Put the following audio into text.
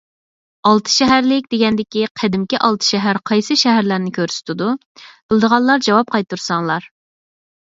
«ئالتەشەھەرلىك» دېگەندىكى قەدىمكى ئالتە شەھەر قايسى شەھەرلەرنى كۆرسىتىدۇ؟ بىلىدىغانلار جاۋاب قايتۇرساڭلار.